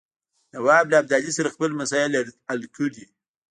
نواب له ابدالي سره خپل مسایل حل کړي.